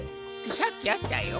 さっきあったよ。